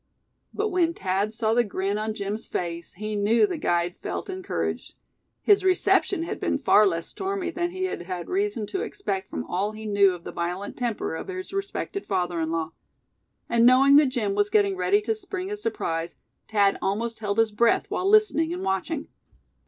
But when Thad saw the grin on Jim's face he knew the guide felt encouraged. His reception had been far less stormy than he had had reason to expect from all he knew of the violent temper of his respected father in law. And knowing that Jim was getting ready to spring his surprise, Thad almost held his breath while listening and watching.